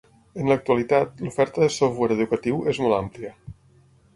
En l’actualitat, l’oferta de software educatiu és molt àmplia.